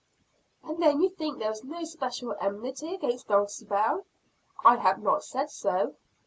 "And then you think there is no special enmity against Dulcibel?" "I have not said so.